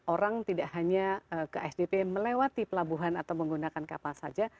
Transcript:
orang tidak hanya ke asdp melewati pelabuhan atau menggunakan kapal saja